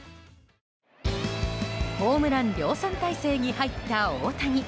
ホームラン量産態勢に入った大谷。